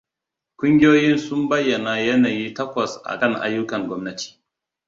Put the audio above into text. Kungiyoyin sun bayana yanayi takwas a kan ayyukan gwamnati: